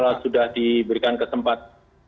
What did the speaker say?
ini kalau sudah diberikan ke tempat